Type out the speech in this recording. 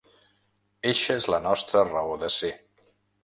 Eixa és la nostra raó de ser.